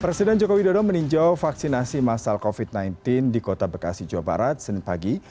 presiden jokowi dodo meninjau vaksinasi masal covid sembilan belas di kota bekasi jawa barat senin pagi